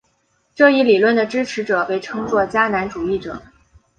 这一理论的支持者被称作迦南主义者。